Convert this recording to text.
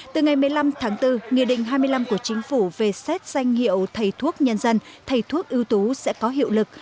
từ ngày một mươi năm tháng bốn nghị định hai mươi năm của chính phủ về xét danh hiệu thầy thuốc nhân dân thầy thuốc ưu tú sẽ có hiệu lực